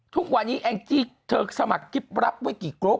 ทุกวันนี้แอ้งจีถ้าสมัครกลิบรับวิกลุ๊ก